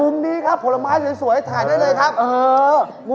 นี้ครับผลไม้สวยถ่ายได้เลยครับ